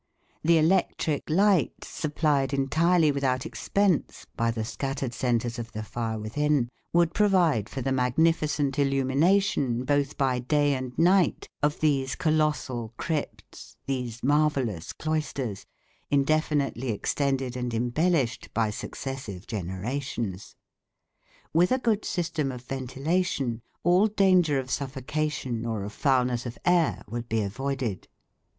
The electric light, supplied entirely without expense by the scattered centres of the fire within, would provide for the magnificent illumination both by day and night of these colossal crypts, these marvellous cloisters, indefinitely extended and embellished by successive generations. With a good system of ventilation, all danger of suffocation or of foulness of air would be avoided.